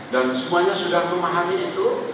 semuanya sudah memahami itu